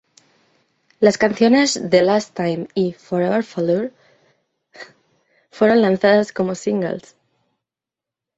Las canciones "The Last Time" y "Forever Failure" fueron lanzadas como singles.